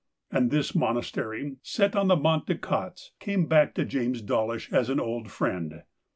And this monastery, set on the Mont des Cats, came back to James Dawlish as an old friend.